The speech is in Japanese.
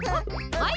はい。